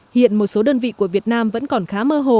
hiện một số đơn vị của việt nam vẫn còn khá mơ hồ